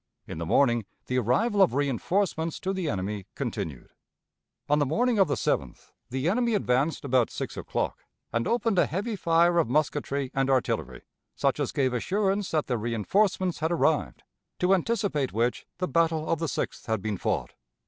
In the morning the arrival of reënforcements to the enemy continued. On the morning of the 7th the enemy advanced about six o'clock, and opened a heavy fire of musketry and artillery, such as gave assurance that the reënforcements had arrived, to anticipate which the battle of the 6th had been fought.